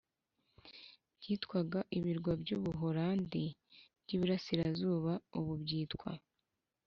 byitwaga Ibirwa by u Buholandi by i Burasirazuba ubu byitwa